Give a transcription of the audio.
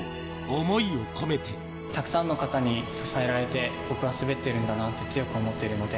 たくさんの方に支えられて、僕は滑ってるんだなって、強く思っているので。